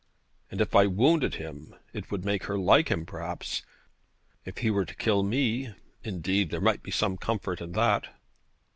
'And if I wounded him, it would make her like him perhaps. If he were to kill me, indeed, there might be some comfort in that.'